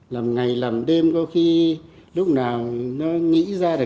làm ngày làm đêm có khi lúc nào nó nghĩ ra được